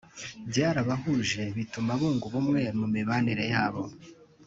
Byarabahuje bituma bunga ubumwe mu mibanire yabo